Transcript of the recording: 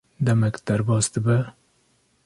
demek derbas dibe;